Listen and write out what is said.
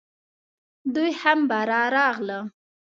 دوی هم باره راغله .